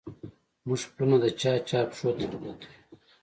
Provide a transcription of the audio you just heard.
موږه پلونه د چا، چا پښو ته پراته يو